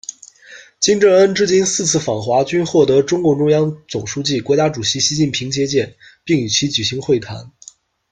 金正恩至今四次访华，均获得中共中央总书记、国家主席习近平接见，并与其举行会谈。